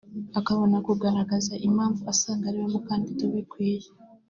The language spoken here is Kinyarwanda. akabona kugaragaza impamvu asanga ariwe mukandida ubikwiye